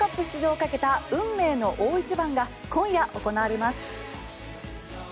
出場をかけた運命の大一番が今夜行われます。